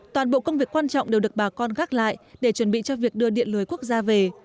toàn bộ công việc quan trọng đều được bà con gác lại để chuẩn bị cho việc đưa điện lưới quốc gia về